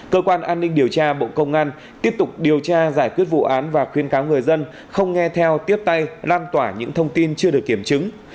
cơ quan an ninh điều tra bộ công an tiếp tục điều tra giải quyết vụ án và khuyên cáo người dân không nghe theo tiếp tay lan tỏa những thông tin chưa được kiểm chứng